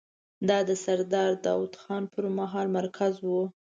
دا د سردار داوود خان پر مهال مرکز و.